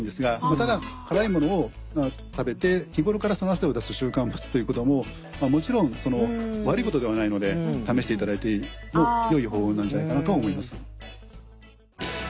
ただ辛いものを食べて日頃からその汗を出す習慣を持つということももちろん悪いことではないので試していただいてもよい方法なんじゃないかなとは思います。